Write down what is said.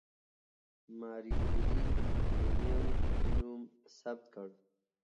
ماري کوري د پولونیم نوم ثبت کړ.